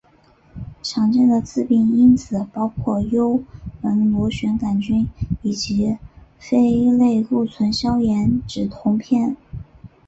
常见的致病因子包括幽门螺旋杆菌以及非类固醇消炎止痛药。